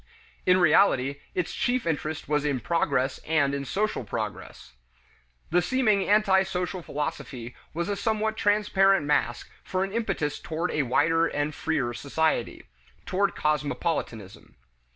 In reality its chief interest was in progress and in social progress. The seeming antisocial philosophy was a somewhat transparent mask for an impetus toward a wider and freer society toward cosmopolitanism.